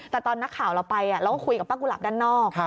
แต่ตอนนักข่าวเราไปเราก็คุยกับป้ากุหลับด้านนอก